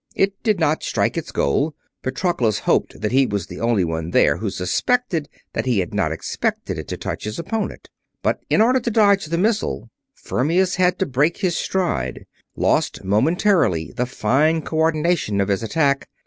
It did not strike its goal Patroclus hoped that he was the only one there who suspected that he had not expected it to touch his opponent but in order to dodge the missile Fermius had to break his stride; lost momentarily the fine co ordination of his attack.